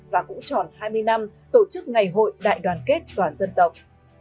và cũng tròn hai mươi năm tổ chức ngày hội đại đoàn kết toàn dân tộc